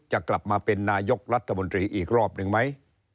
จะกลับมาเป็นนายกรัฐมนตรีอีกรอบหนึ่งไหม